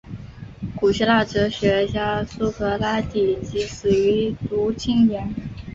古希腊哲学家苏格拉底即死于毒芹碱。